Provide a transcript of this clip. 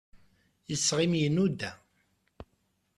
Iseɣ-im inuda.